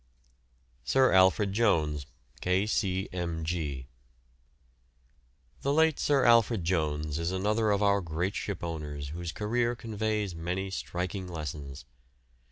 SIR ALFRED JONES, K.C.M.G. The late Sir Alfred Jones is another of our great shipowners whose career conveys many striking lessons.